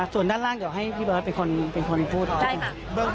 ส่วนด้านล่างเดี๋ยวให้พี่เบิร์ตเป็นคนพูดก่อน